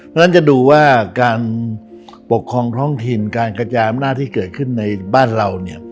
วันนี้จะดูว่าการปกครองท่องถิ่นการกระจายอำนาจที่กัดขึ้นในบ้านเรา